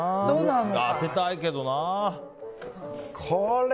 当てたいけどな。